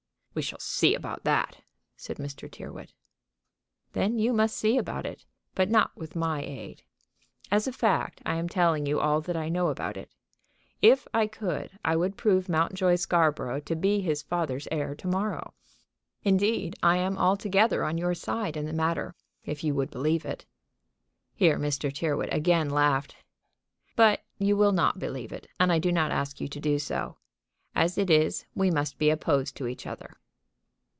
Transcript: "We shall see about that," said Mr. Tyrrwhit. "Then you must see about it, but not with my aid. As a fact I am telling you all that I know about it. If I could I would prove Mountjoy Scarborough to be his father's heir to morrow. Indeed, I am altogether on your side in the matter, if you would believe it." Here Mr. Tyrrwhit again laughed. "But you will not believe it, and I do not ask you to do so. As it is we must be opposed to each other."